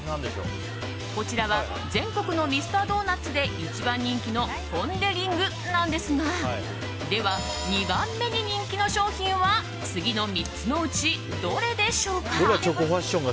こちらは全国のミスタードーナツで一番人気のポン・デ・リングなんですがでは、２番目に人気の商品は次の３つのうちどれでしょうか？